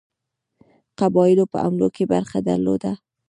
قبایلو په حملو کې برخه درلوده.